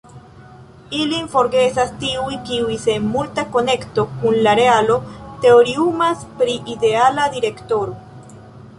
Ilin forgesas tiuj, kiuj sen multa konekto kun la realo teoriumas pri ideala direktoro.